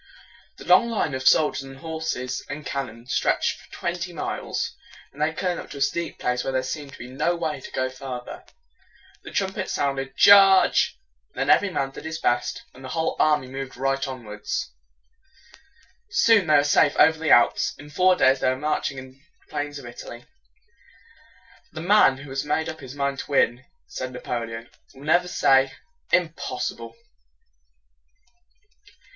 The long line of soldiers and horses and cannon stretched for twenty miles. When they came to a steep place where there seemed to be no way to go farther, the trum pets sounded "Charge!" Then every man did his best, and the whole army moved right onward. Soon they were safe over the Alps. In four days they were marching on the plains of Italy. "The man who has made up his mind to win," said Napoleon, "will never say 'Im pos si ble.'"